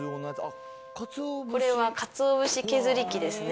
これはかつお節削り器ですね。